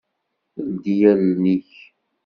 Ldi allen-ik.